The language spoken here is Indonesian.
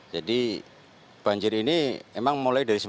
jadi banjir ini memang mulai dibersihkan